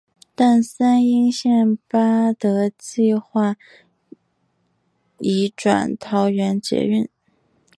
但三莺线八德计画移转桃园捷运。